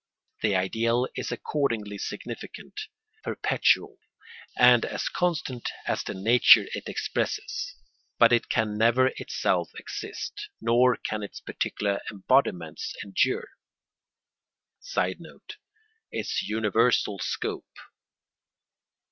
The ideal is accordingly significant, perpetual, and as constant as the nature it expresses; but it can never itself exist, nor can its particular embodiments endure. [Sidenote: Its universal scope.